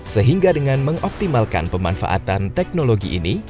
sehingga dengan mengoptimalkan pemanfaatan teknologi ini